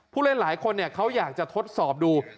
ผู้เล่นหลายคนเขาอยากจะทดสอบดู